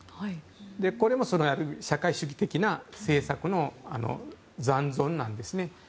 これも社会主義的な政策の残存なんですね。